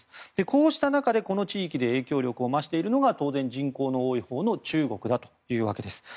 こうした中で、この地域で影響力を増しているのが当然、人口の多いほうの中国だというわけです。